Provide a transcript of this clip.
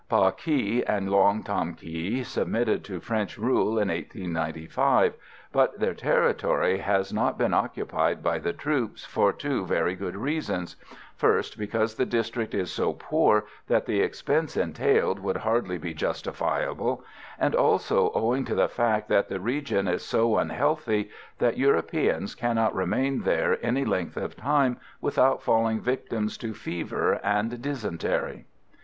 Ba Ky and Luong Tam Ky submitted to French rule in 1895, but their territory has not been occupied by the troops, for two very good reasons: first, because the district is so poor that the expense entailed would hardly be justifiable, and also owing to the fact that the region is so unhealthy that Europeans cannot remain there any length of time without falling victims to fever and dysentery.